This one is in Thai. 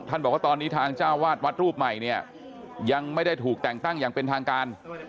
บอกว่าตอนนี้ทางเจ้าวาดวัดรูปใหม่เนี่ยยังไม่ได้ถูกแต่งตั้งอย่างเป็นทางการ